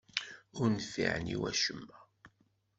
Ur nfiɛen i wacemma.